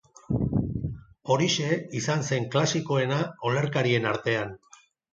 Orixe izan zen klasikoena olerkarien artean.